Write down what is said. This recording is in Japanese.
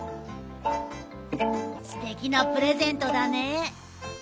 すてきなプレゼントだね。